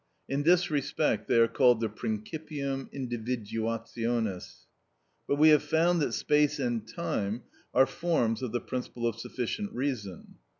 In this respect they are called the principium individuationis. But we have found that space and time are forms of the principle of sufficient reason.